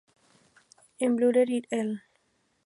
En Butler et al.